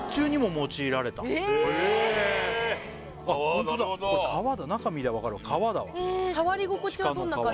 ホントだ革だ中見りゃ分かるわ革だわ触り心地はどんな感じ？